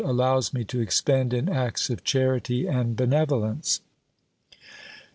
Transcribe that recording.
allows me to expend in acts of charity and benevolence.